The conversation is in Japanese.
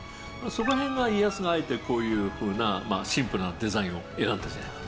そこら辺が家康があえてこういうふうなシンプルなデザインを選んだんじゃないか。